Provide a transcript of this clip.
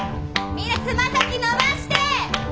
みんな爪先伸ばして！